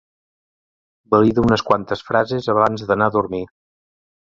Valida unes quantes frases abans d'anar a dormir.